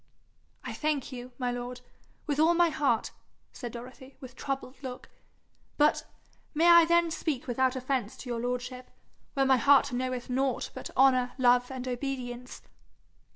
'I thank you, my lord, with all my heart,' said Dorothy, with troubled look, 'but may I then speak without offence to your lordship, where my heart knoweth nought but honour, love, and obedience?'